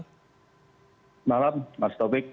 selamat malam mas topik